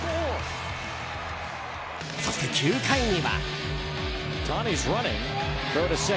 そして、９回には。